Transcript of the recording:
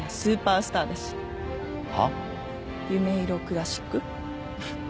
「夢色☆クラシック」フッ。